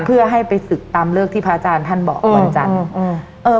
เพื่อให้ไปศึกตามเลิกที่พระอาจารย์ท่านบอกวันจันทร์อืมเออ